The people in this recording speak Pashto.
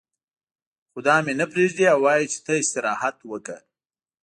خو دا مې نه پرېږدي او وايي چې ته استراحت وکړه.